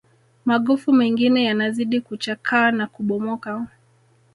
magofu mengine yanazidi kuchakaa na kubomoka